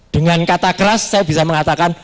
dengan kata keras saya bisa mengatakan